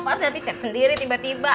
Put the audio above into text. pas nyati chat sendiri tiba tiba